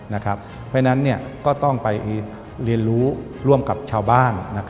เพราะฉะนั้นก็ต้องไปเรียนรู้ร่วมกับชาวบ้าน